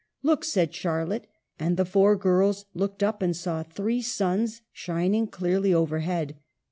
" Look," said Charlotte ; and the four girls looked up and saw three suns shining clearly overhead.